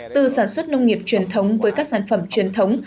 từ sản xuất nông nghiệp truyền thống với các sản phẩm truyền thống